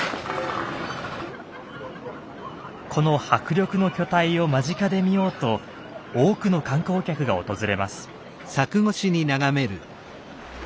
この迫力の巨体を間近で見ようと多くの観光客が訪れます。